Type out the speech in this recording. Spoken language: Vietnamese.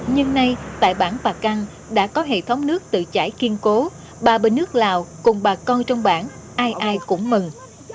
nhưng nay tại bản bà căng đã có hệ thống nước tự chảy kiên cố bà bên nước lào cùng bà con trong bản ai ai cũng mừng